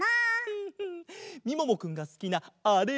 フフみももくんがすきなあれだよ。